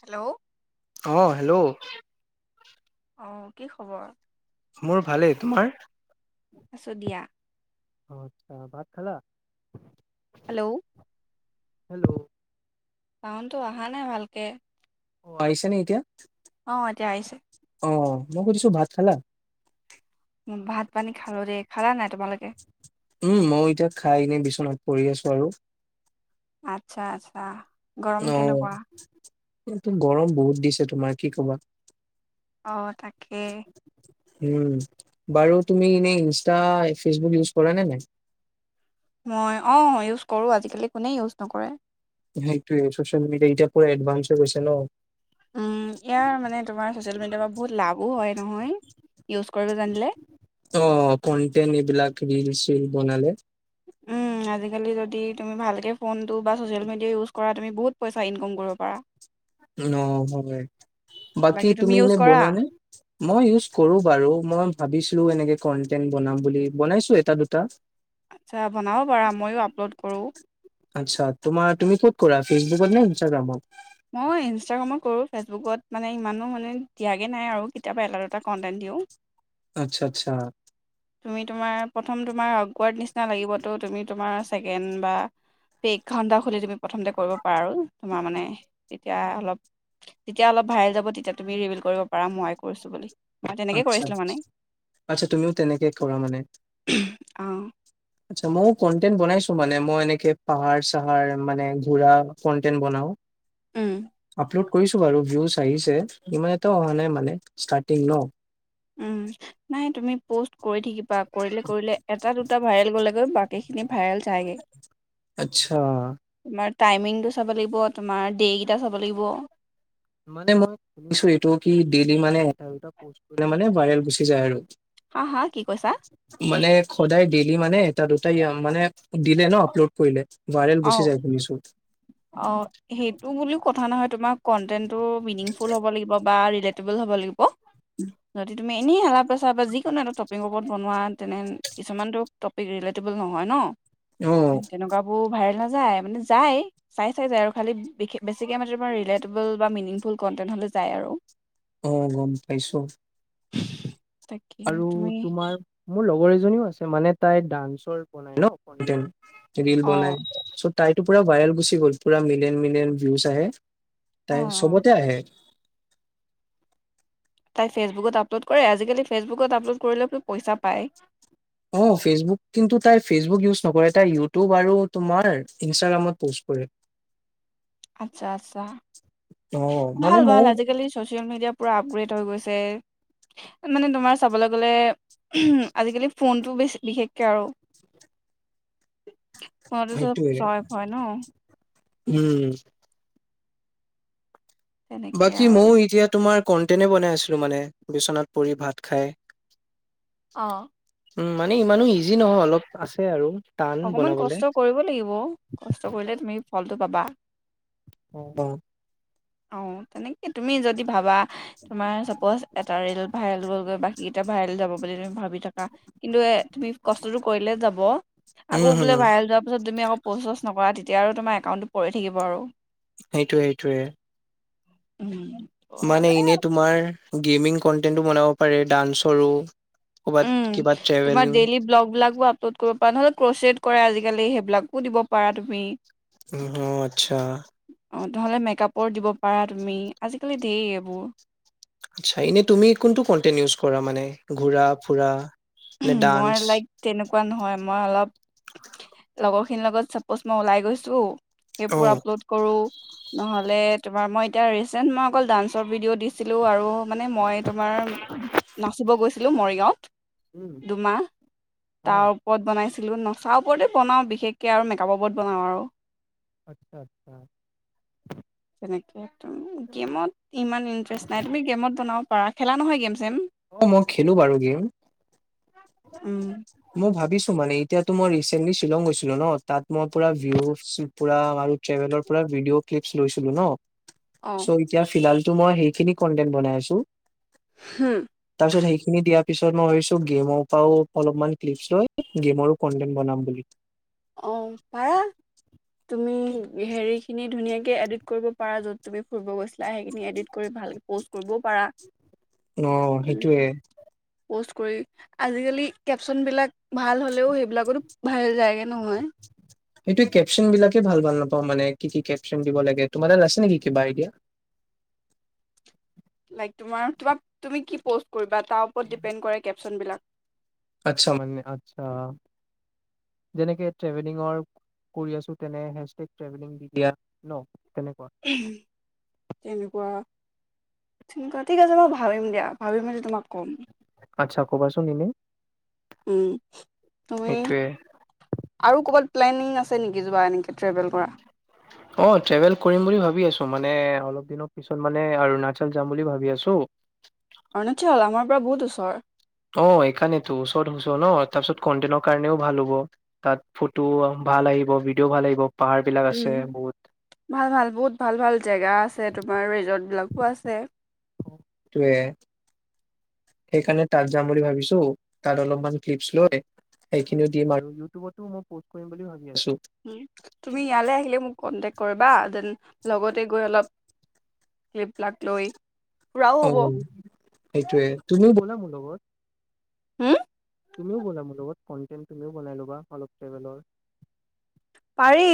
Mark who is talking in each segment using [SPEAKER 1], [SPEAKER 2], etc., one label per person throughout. [SPEAKER 1] Hello.
[SPEAKER 2] অ hello
[SPEAKER 1] অ কি খবৰ?
[SPEAKER 2] মোৰ ভালেই, তোমাৰ?
[SPEAKER 1] আছো দিয়া।
[SPEAKER 2] অ আচ্ছা, ভাত খালা?
[SPEAKER 1] হেল্ল'
[SPEAKER 2] হেল্ল'
[SPEAKER 1] চাউনটো অহা নাই ভালকে।
[SPEAKER 2] আহিছেনে এতিয়া?
[SPEAKER 1] অ, এতিয়া আহিছে।
[SPEAKER 2] অহ মই সুধিছোঁ ভাত খালা?
[SPEAKER 1] উম ভাত পানী খালো দেই খালা নাই? তোমালোকে?
[SPEAKER 2] উম মই এতিয়া খাই এনেই বিচনাত পৰি আছো আৰু
[SPEAKER 1] আচ্ছা আচ্ছা গৰম কেনেকুৱা
[SPEAKER 2] এই গৰম বহুত দিছে তোমাৰ কি কবা
[SPEAKER 1] অহ তাকেই
[SPEAKER 2] উম বাৰু তুমি এনেই ইনষ্টা ফেচবুক ইউজ কৰা নে নাই?
[SPEAKER 1] মই অহ ইউজ কৰো আজিকালি কোনে ইউজ নকৰে
[SPEAKER 2] সেইটোৱে চচিয়েল মিডিয়া এতিয়া পোৰা এডভানস হৈ গৈছে ন।
[SPEAKER 1] উম ইয়াৰ মানে তোমাৰ ছচিয়েল মিডিয়াৰ পৰা বহুত লাভো হয় নহয় ইউজ কৰিব জানিলে
[SPEAKER 2] অ কনটেনট এইবিলাক ৰিল চিল বনালে
[SPEAKER 1] আজিকালি যদি তুমি ভালকে ফোনটো বা ছ'চিয়েল মিডিয়া ইউজ কৰা তুমি বহুত পইচা ইনকাম কৰিব পাৰা।
[SPEAKER 2] অহ হয় বাকী তুমি এনে বনোৱানে, মই ইউজ কৰো বাৰু মই ভাবিছো এনেকে কন্টেনট বনাম বুলি বনাইছো এটা দুটা
[SPEAKER 1] আচ্ছা বনাব পাৰা ময়ো আপলোড কৰোঁ।
[SPEAKER 2] আচ্ছা তোমাৰ তুমি ক'ত কৰা ফেচবুকত নে ইনষ্টাগ্ৰামত?
[SPEAKER 1] মই ইনষ্টাগ্ৰামত কৰোঁ ফেচবুকত মানে ইমানো মানে দিয়াগৈ নাই আৰু কেতিয়াবা এটা দুটা কণ্টেণ্ট দিওঁ।
[SPEAKER 2] আচ্ছা আচ্ছা
[SPEAKER 1] তুমি তোমাৰ প্ৰথম তোমাৰ অকৱাৰ্ড নিচিনা লাগিব তো তুমি তোমাৰ ছেকেণ্ড বা পেক্ষ খুলি তুমি প্ৰথমতে কৰিব পাৰা তোমাৰ মানে তেতিয়া অলপ যেতিয়া অলপ ভাল যাব তেতিয়া তুমি ৰিভিল কৰিব পাৰা মই কৰিছো বুলি। মই তেনেকে
[SPEAKER 2] আতছা
[SPEAKER 1] কৰিছিলোঁ মানে
[SPEAKER 2] আতচা তুমি তেনেকে কৰা মানে
[SPEAKER 1] অ',
[SPEAKER 2] আতচা মই কনতেন বনাইছো মানে মই এনেকে পাহাৰ চাহাৰ মানে ঘোঁৰা কনটেন বনাও
[SPEAKER 1] উম
[SPEAKER 2] আপলোড কৰিছো বাৰু ভিউজ আহিছে ইমান এটাও অহা নাই মানে ষ্টাৰ্টিং ন
[SPEAKER 1] উম নাই তুমি পষ্ট কৰি থাকিবা বা কৰিলে কৰিলে এটা দুটা ভাইৰেল গ'লেগৈ বাক সেইখিনিত ভাইৰেল খাইগে
[SPEAKER 2] আচ্ছা,
[SPEAKER 1] তোমাৰ টাইমিংটো চাব লাগিব তোমাৰ ডেকেইটা চাব লাগিব।
[SPEAKER 2] মানে মই শুনিছো এইটো কি ডেইলি মানে এটা দুটা পষ্ঠ কৰিলে মানে ভাইৰেল গুচি যায় আৰু
[SPEAKER 1] হা হা কি কৈছা?
[SPEAKER 2] মানে খোদায় ডেইেলি মানে এটা দুটাই মানে দিলে ন আপলোড কৰিলে ভাইৰেল গুচি
[SPEAKER 1] অ',
[SPEAKER 2] যায় শুনিছোঁ।
[SPEAKER 1] অ সেইটো বুলিও কথা নহয় তু কন্টেন্টো মিনিং ফুল হ'ব লাগিব বা ৰেটুবোল হ'ব লাগিব যদি তুমি এনেই আলাপেচা বা যিকোনো এটা টপিকৰ ওপৰত বনোৱা তেনে কিছুমানটো টপিক ৰিলেটেবল নহয় ন
[SPEAKER 2] অ',
[SPEAKER 1] তেনেকোৱাবোৰ ভাইৰেল হয় যায় মানে যায় চাই চাই যায় আৰু খালি বেছিকৈ মানে তোমাৰ ৰিলেটেবল বা মিনিংফুল কণ্টেণ্ট হ'লে যায় আৰু
[SPEAKER 2] অহ গম পাইছো
[SPEAKER 1] তাকে
[SPEAKER 2] আৰু
[SPEAKER 1] তুমি
[SPEAKER 2] তোমাৰ মোৰ লগৰ এ জনীও আছে মানে তাই ডান্সৰ বনাই ন কণ্টেণ্ট ৰীল
[SPEAKER 1] অ',
[SPEAKER 2] বনাই চ তাইতো পুৰা ভাইৰেল গুচি গ'ল পুৰা মিলিয়ন মিলিয়ন ভিউজ আহে
[SPEAKER 1] অ',
[SPEAKER 2] তাই
[SPEAKER 1] অ'
[SPEAKER 2] চবতে আহে
[SPEAKER 1] তাই ফেচবুকত আপলোড কৰে আজিকালি ফেচবুকত আপলোড কৰিলেো পইচা পায়
[SPEAKER 2] অ ফেচবুক কিন্তু তাই ফেচবুক ইউজ নকৰে তাই ইউটিউব আৰু তোমাৰ ইনষ্টাগ্ৰামত প'ষ্ট কৰে
[SPEAKER 1] আচছা আচছা
[SPEAKER 2] অ মানে
[SPEAKER 1] ভাল ভাল
[SPEAKER 2] ময়ো
[SPEAKER 1] আজিকালি চচিয়েল মিডিয়া পুৰা আপগ্ৰেড হৈ গৈছে তে মানে তোমাৰ চাবলৈ গ'লে আজিকালি ফোনটো বেছি বিশেষকে আৰু প
[SPEAKER 2] সেইটোৱে
[SPEAKER 1] স্বভাৱ হয় ন
[SPEAKER 2] উম
[SPEAKER 1] তেনেকে
[SPEAKER 2] বাকী
[SPEAKER 1] আৰু
[SPEAKER 2] মইয়ো এতিয়া তোমাৰ কন্টেণ্ট এ বনাই আছিলো মানে বিচনাত পৰি ভাত খাই
[SPEAKER 1] অঁ
[SPEAKER 2] উম মানে ইমানো ইজি নহয় অলপ আছে আৰু টান
[SPEAKER 1] অকমান
[SPEAKER 2] বনাবলে
[SPEAKER 1] কষ্ট কৰিব লাগিব কষ্ট কৰিলে তুমি ফলটো পাবা
[SPEAKER 2] অ অ
[SPEAKER 1] অ তেনেকে তুমি যদি ভাবা তোমাৰ চাপজ এটা ৰেল ভাইল গলগৈ বাকীকেইটা ভাইৰেল যাব বুলি তুমি ভাবি থাকা কিন্তু এ তুমি কষ্টতটো কৰিলে যাব আকৌ বোলে
[SPEAKER 2] হম
[SPEAKER 1] ভাল যোৱাৰ পিছত তুমি আকৌ প্ৰছ ছচ নকৰা তেতিয়া আৰু তোমাৰ একাউণ্টটো পৰি থাকিব আৰু
[SPEAKER 2] সেইটোৱে সেইটোৱে
[SPEAKER 1] উম
[SPEAKER 2] মানে
[SPEAKER 1] সদায়
[SPEAKER 2] এনে তোমাৰ গেমিং কনটেন্টটো বনাব পাৰে ডান্সৰো ক'বাত
[SPEAKER 1] উম
[SPEAKER 2] কিবা
[SPEAKER 1] তোমাৰ
[SPEAKER 2] ট্ৰেভেলিং
[SPEAKER 1] ডেইলি ব্লগ বিলাগ আপলোড কৰিব বানহ'লে ক্ৰ'চৰেড কৰা আজিকালি সেইবিলাকো দিব পাৰা তুমি
[SPEAKER 2] উ আহ আচ্ছা
[SPEAKER 1] অঁ নহ'লে মেকআপৰ দিব পাৰা তুমি আজিকালি দিয়ে এইবোৰ
[SPEAKER 2] আচ্ছা এনেই তুমি কোনটো কনটেইন ইউজ কৰা মানে ঘুৰা ফুৰা নে
[SPEAKER 1] মই
[SPEAKER 2] ডান্স
[SPEAKER 1] লাইক তেনেকুৱা নহয় মই অলপ লগৰ খিনিৰ লগত চাপচ মই ওলাই গৈছো সেইবোৰ
[SPEAKER 2] অ'
[SPEAKER 1] আপলোড কৰো নহ'লে তোমাৰ মই এতিয়া ৰিচেণ্ট মই অকল ডান্সৰ ভিডিঅ' দিছিলোঁ আৰু মানে মই তোমাৰ নাচিব গৈছিলোঁ মৰিগাঁৱত
[SPEAKER 2] উম,
[SPEAKER 1] দুমাহ
[SPEAKER 2] অ'
[SPEAKER 1] তাৰ ওপৰত বনাইছো বনাইছিলো নচা ওপৰতেই বনাওঁ বিশেষকৈ আৰু মেকআপৰ ওপৰত বনাওঁ আৰু
[SPEAKER 2] আচ্ছা আচ্ছা
[SPEAKER 1] তেনেকে গেমত ইমান ইণ্টাৰেষ্ট নাই তুমি গেমত বনাও পাৰা খেলা নহয় গেম চেম
[SPEAKER 2] অ মই খেলো বাৰু গেম
[SPEAKER 1] উম
[SPEAKER 2] মই ভাবিছো মানে এতিয়াতো মই ৰিচেন্টলি শ্বিলং গৈছিলো ন তাত মই পুৰা ভিউজ পুৰা ট্টেনৰ পৰা ভিডিঅ' কিলপ ঘূৰিছিলো ন
[SPEAKER 1] অ
[SPEAKER 2] চ' এতিয়া ফিলহাল মই সেইখিনি কন্টেন বনাই আছো
[SPEAKER 1] উম
[SPEAKER 2] পিছত সেইখিনি দিয়াৰ পিছত মই ভাবিছো গেমৰ পৰাও অলপমান ক্লিপ লৈ গেমৰো কন্টেন্ট বনাম বুলি
[SPEAKER 1] অ পাৰা তুমি হেৰি খিনি ধুনীয়াকে কে এডিত কৰিব পাৰা য'ত তুমি ফুৰিব গৈছিলা চাই সেইখিনি এডিট কৰি ভালকে প'ষ্ট কৰিবও পাৰা
[SPEAKER 2] অ' সেইটোয়ে
[SPEAKER 1] পষ্ট কৰি আজিকালি কেপচন বিলাক ভাল হ'লেও সেই এইবিলাকো ভাল যায়গে নহয়
[SPEAKER 2] সেইটোে কেপচন বিলাকে ভাল ভাল নাপাওঁ মানে কি কি কেপচন দিব লাগে তোমাৰ তাত আছে নেকি কিবা আইডিয়া
[SPEAKER 1] তোমাৰ কিবা তুমি কি পোষ্ট কৰিবা তাৰ ওৰত ডিপেণ্ড কৰে চলবিলাক
[SPEAKER 2] আতচা মানে আতছা যেনেকে ট্ৰেভেলিঙৰ কৰি আছো তেনে হে চেছ স্তেগ
[SPEAKER 1] তেনেকুৱা ঠিক আছে মই ভাবিম দিয়া ভাবিম যে তোমাক ক'ম
[SPEAKER 2] আচ্ছা কনা চুন এনে
[SPEAKER 1] উম তুমি আৰু ক'বাত প্লেনিং আছে নেকি যোৱা এনেকে ট্ৰেভেল কৰা
[SPEAKER 2] অ ট্ৰেভেল কৰিম বুলি ভাবি আছো মানে অলপ দিনৰ পিছত মানে অৰুণাচল যাম বুলি ভাবি আছো
[SPEAKER 1] অৰুণাচল আমাৰ পৰা বহুত ওচৰ
[SPEAKER 2] অ সেইকাৰণেতো ওচৰত ন তাৰপিছত কন্টেনৰ কাৰণেও ভাল হ'ব, তাত ফটো ভাল আহিব ভিডিঅ' ভাল আহিব পাহাৰ বিলাক আছে
[SPEAKER 1] উম,
[SPEAKER 2] বহুত।
[SPEAKER 1] ভাল ভাল বহুত ভাল ভাল জেগা আছে তোমাৰ ৰিজৰ্ট বিলাক কোঁ আছে
[SPEAKER 2] টোৱে, সেইকাৰণে তাত যাম বুলি ভাবিছো তাত অলপমান ক্লিপছ লৈ সেইখিনিও দিম আৰু ইটিউতবত ও ম‌ই পস্ট কৰিম বুলি আছো।
[SPEAKER 1] তুমি ইয়ালৈ আহিলে মোক কণ্টেক্ট কৰিবা, দেন লগতে গৈ অলপ ক্লিপ বিলাক লৈ ফুৰাও
[SPEAKER 2] অ
[SPEAKER 1] হ'ব।
[SPEAKER 2] সেইটোয়ে তুমি ব'লা ম লগত
[SPEAKER 1] হম
[SPEAKER 2] তুমিও বলা মোৰ লগত কনটেণ্ট তুমিও বনাই ল'বা অলপ ট্ৰেভেলৰ
[SPEAKER 1] পাৰি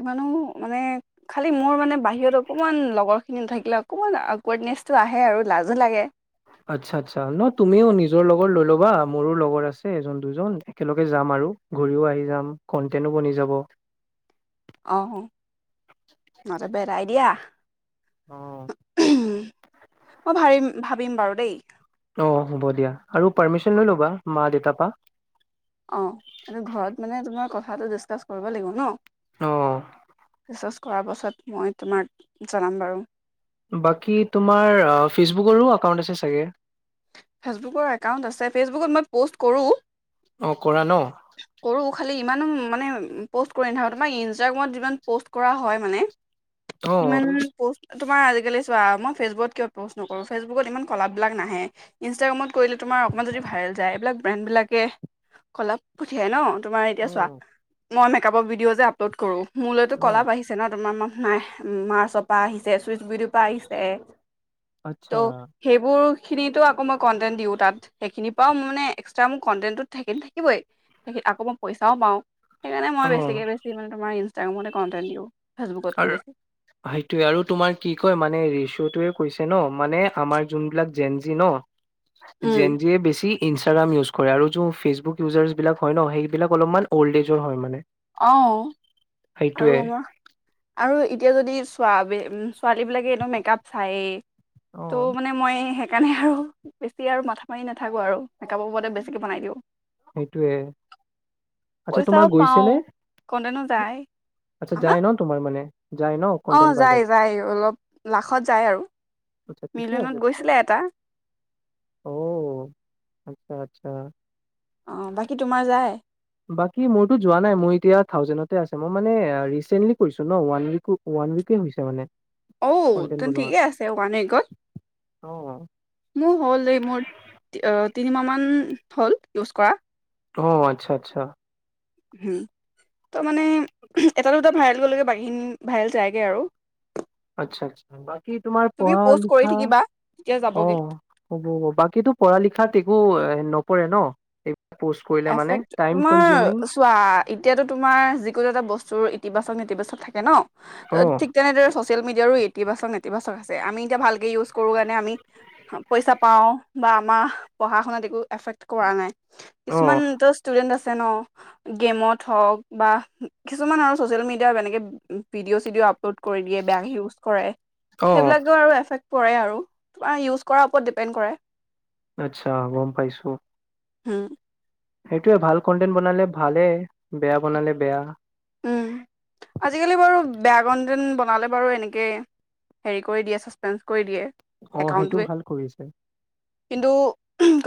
[SPEAKER 1] ইমানো মানে খালি মোৰ মানে বাহিৰত অকণমান লগৰখিনি নাথাকিলে অকণমান আকৱাৰ্ডনেছটো আহে আৰু লাজো লাগে
[SPEAKER 2] আচ্ছা আচ্ছা ন তুমিও নিজৰ লগৰ লৈ ল'বা মোৰো লগৰ আছে এজন দুজন একেলগে যাম আৰু ঘূৰিও আহি যাম কন্টেনো বনি যাব
[SPEAKER 1] আহ মাজতে এৰাই দিয়া
[SPEAKER 2] অ'।
[SPEAKER 1] [unintelligible] মই ভাৰিম ভাবিম বাৰু দেই
[SPEAKER 2] অ হ'ব দিয়া, আৰু পাৰ্মিশন লৈ ল'বা মা দেউতাৰ পা
[SPEAKER 1] অ এই ঘৰত মানে তোমাৰ কথাটো ডিচকাচ কৰিব লাগিব ন
[SPEAKER 2] অ
[SPEAKER 1] চাচ কৰা পাছত মই তোমাক জনাম বাৰু
[SPEAKER 2] বাকী তোমাৰ ফেচবুকৰো একাউণ্ট আছে চাগে?
[SPEAKER 1] ফেচবুকৰ একাউন্ট আছে, ফেচবুক মই পষ্ট কৰো
[SPEAKER 2] অ কৰা ন
[SPEAKER 1] কৰোঁ খালি ইমানো মানে প'ষ্ট কৰি নাথাকোঁ, টোমাৰ ইনষ্টাগ্ৰামত কিচুমান পোষ্ট কৰা হয় মানে
[SPEAKER 2] অ
[SPEAKER 1] ইমান পষ্ট তোমাৰ আজিকালি চোৱা মই ফেচবুকত কিয়া প'ষ্ট নকৰোঁ ফেচবুকত ইমান কলাপবিলাক নাহে ইনষ্টাগ্ৰামত কৰিলে তোমাৰ অকণমান যদি ভাইৰেল যায় এইবিলাক ব্ৰেণ্ডবিলাকে কলাপ পঠিয়ায় ন তোমাৰ এতিয়া
[SPEAKER 2] অ
[SPEAKER 1] চোৱা মই মেকআপৰ ভিডিঅ যে আপলড কৰোঁ মোৰলৈতো
[SPEAKER 2] অ
[SPEAKER 1] কলাপ আহিছে ন তোমাৰ না নাই মাৰ্চ পা আহিছে চুইচ পাইিছে
[SPEAKER 2] আচ্ছা
[SPEAKER 1] ত' সেইবোৰ [unintelligible] খিনিতো আকৌ কন্টেন্ট দিওঁ তাত সেইখিনি পাওঁ মানে এক্সট্ৰা মোৰ কন্টেন্টোত থাকে থাকিবেই সেইখিন আকৌ মই পইচাও পাওঁ। সেইকাৰণে মই
[SPEAKER 2] অ
[SPEAKER 1] বেছিকে বেছি মানে তোমাৰ ইনচ- তেওঁৰ মতে কন্টেন্ট দিওঁ। ফেচবুকতকৈ
[SPEAKER 2] আৰু
[SPEAKER 1] বেছি
[SPEAKER 2] সেইটোয়ে আৰু তোমাৰ কি কয় মানে ৰেচিওটোৱে কৈছে ন মানে আমাৰ যোন বিলাক জেনজি ন
[SPEAKER 1] উম
[SPEAKER 2] জেন জি এ বেছি ইনষ্টাগ্ৰাম ইউজ কৰে আৰু যোন ফেচবুক ইউজাৰ্চ বিলাক হয় ন সেইবিলাক অলপমান অল্ড এজৰ হয় মানে
[SPEAKER 1] অ আৰু
[SPEAKER 2] সেইটোয়ে
[SPEAKER 1] আমাৰ আৰু এতিয়া যদি চোৱা ছোৱালীবিলাকে এনেও মেকআপ চায়েই
[SPEAKER 2] অ
[SPEAKER 1] ত' মানে মই সেইকাৰণে আৰু বেছি আৰু মাথা মাৰি নাথাকো আৰু মেকআপৰ ওপৰতে বেছিকে বনাই দিওঁ।
[SPEAKER 2] সেইটোৱে আচ্ছা
[SPEAKER 1] পইচাও
[SPEAKER 2] তোমাৰ গৈছে
[SPEAKER 1] পাওঁ
[SPEAKER 2] নে?
[SPEAKER 1] কন্টেনো যায়
[SPEAKER 2] আচ্ছা
[SPEAKER 1] আহা
[SPEAKER 2] যাই ন তোমাৰ মানে? যায় ন
[SPEAKER 1] অ
[SPEAKER 2] কন্টেন্ট ভাইৰেল
[SPEAKER 1] যায়-যায় অলপ লাখত যায় আৰু।
[SPEAKER 2] আচ্ছা ঠিকে
[SPEAKER 1] মিডিলত
[SPEAKER 2] আছে তোমাৰ
[SPEAKER 1] গৈছিলে এটা
[SPEAKER 2] অ আচ্ছা -আচ্ছা-
[SPEAKER 1] অ বাকী তোমাৰ যায়?
[SPEAKER 2] বাকী মোৰতো যোৱা নাই। মোৰ এতিয়া থাউজেণ্ডতে আছে। মই মানে ৰিচেন্টলি কৰিছো ন ৱান ওৱান উইকে হৈছে মানে
[SPEAKER 1] অঔ
[SPEAKER 2] কন্টেন্ট
[SPEAKER 1] তেন্তে
[SPEAKER 2] বনোৱা
[SPEAKER 1] ঠিকেই আছে ওৱান উইকত।
[SPEAKER 2] অ'।
[SPEAKER 1] মোৰ হ'ল এই মোৰ তিনিমাহ মান হ'ল ইউজ কৰা
[SPEAKER 2] অ আচ্ছা -আচ্ছা-
[SPEAKER 1] হুম। ত'মানে এটা দুটা ভাইৰেল গলেগে বাকীখিনি ভাইৰেল যায়গে আৰু
[SPEAKER 2] আচ্ছা- আচ্ছা। বাকী তোমাৰ
[SPEAKER 1] তুমি
[SPEAKER 2] পঢ়া
[SPEAKER 1] প'ষ্ট কৰি
[SPEAKER 2] লিখা।
[SPEAKER 1] থাকিবা তেতিয়া
[SPEAKER 2] অ'
[SPEAKER 1] যাবগে
[SPEAKER 2] হ'ব হব বাকীটো পঢ়া লিখাত একো ন পৰে ন? এইবিলাক প'ষ্ট কৰিলে মানে
[SPEAKER 1] এফেক্ট
[SPEAKER 2] টাইম
[SPEAKER 1] তোমাৰ
[SPEAKER 2] কনজিউমিং
[SPEAKER 1] চোৱা এতিয়াতো তোমাৰ যিকোনো এটা বস্তু চোৰ ইতিবাচক নেতিবাচক থাকে ন ত
[SPEAKER 2] অ',
[SPEAKER 1] ঠিক তেনেদৰে ছ'চিয়েল মিডিয়াত ইতিবাচক নেতিবাচক আছে আমি ভালকে ইউচ কৰো কাৰণে আমি পইচা পাওঁ বা আমাৰ পঢ়াৰ শুনাত একো এফেক্ট কৰা নাই। কিছুমান
[SPEAKER 2] অ',
[SPEAKER 1] ষ্টুডেন্ট আছে ন! গেমত হওঁক বা কিছুমান আৰু চচিয়েল মিডিয়া এনেকে ভিডি'অ চিডি'অ আপলোড ক ই দিয়ে বা ইউচ কৰে
[SPEAKER 2] অ'।
[SPEAKER 1] সেইবিলাক বা আছে সেয়ে আৰু তোমাৰ ইউজ কৰাৰ ওপৰত ডিপেণ্ড কৰে
[SPEAKER 2] আচ্ছা। গম পাইছো।
[SPEAKER 1] হম [unintelligible]
[SPEAKER 2] সেইটোৱে ভাল কন্টেন্ট বনালে ভালে। বেয়া বনালে বেয়া।
[SPEAKER 1] হুম। আজিকালি বাৰু বেয়া কন্টেন্ট বনালে বাৰু এনেকেই হেৰি কৰি দিয়ে। ছাছপেঞ্চ কৰি দিয়ে।
[SPEAKER 2] অ', সেইটো
[SPEAKER 1] একাউন্টোৱে।
[SPEAKER 2] ভাল কৰিছে।
[SPEAKER 1] কিন্তু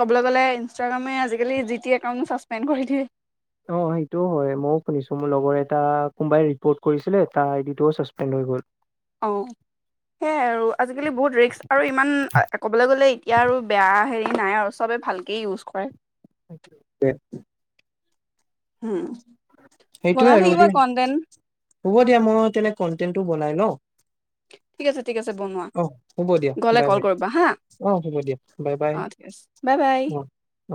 [SPEAKER 1] ক'বলৈ গ'লে ইনষ্টাগ্ৰামে আজিকালি জি টি একাউণ্ট ছাছপেণ্ড কৰি দিয়ে
[SPEAKER 2] অ সেইটোও হয় ময়ও শুনিছো মোৰ লগৰ এটা কোনোবাই ৰিপৰ্ট কৰিছিলে তাৰ আইডি টোও ছাচপেণ্ড হৈ গ'ল
[SPEAKER 1] অ সেইয়াই আৰু আজিকালি বহুত ৰিস্ক আৰু ইমান ক'বলৈ গ'লে এতিয়া আৰু বেয়া হেৰি নাই আৰু চবে ভালকে ইউজ কৰে
[SPEAKER 2] সেইতোয়ে
[SPEAKER 1] হম
[SPEAKER 2] সেইটোয়ে
[SPEAKER 1] বনাই
[SPEAKER 2] আৰু
[SPEAKER 1] থাকিবা
[SPEAKER 2] দিয়া
[SPEAKER 1] কণতেন
[SPEAKER 2] হ'ব দিয়া মই তেনে কনটেনটো বনাই লঁও
[SPEAKER 1] ঠিক আছে ঠিক আছে বনোৱা
[SPEAKER 2] হ'ব দিয়া
[SPEAKER 1] গলে
[SPEAKER 2] বাই
[SPEAKER 1] কল
[SPEAKER 2] বাই
[SPEAKER 1] কৰিবা হা
[SPEAKER 2] অ হ'ব দিয়া বাই বাই
[SPEAKER 1] অ ঠিক আছে বাই বাই
[SPEAKER 2] অ অ।